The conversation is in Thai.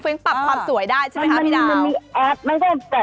พร้อมปรับความสวยได้ใช่ไหมครับพี่เรามีไม่ได้แต่